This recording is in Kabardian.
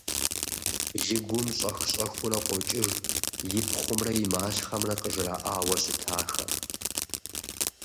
И гум щӀэх-щӀэхыурэ къокӀыж и пхъумрэ и малъхъэмрэ къыжраӀауэ щытахэр.